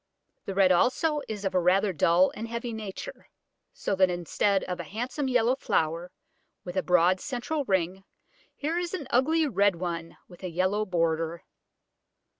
The red also is of a rather dull and heavy nature, so that instead of a handsome yellow flower with a broad central ring, here is an ugly red one with a yellow border.